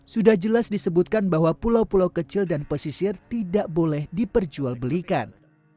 sudah jelas disebutkan bahwa pulau pulau kecil dan pesisir tidak boleh diperjualbelikan